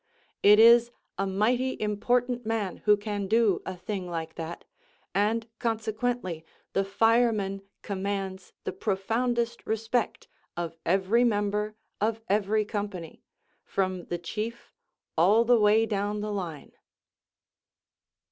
It is a mighty important man who can do a thing like that, and consequently the fireman commands the profoundest respect of every member of every company, from the chief all the way down the line.